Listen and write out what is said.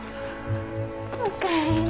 お帰り。